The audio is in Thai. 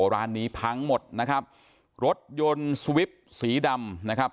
ร้านนี้พังหมดนะครับรถยนต์สวิปสีดำนะครับ